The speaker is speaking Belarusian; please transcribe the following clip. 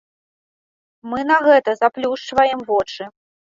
Мы на гэта заплюшчваем вочы.